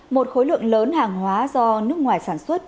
một khối lượng lớn hàng hóa do nước ngoài sản xuất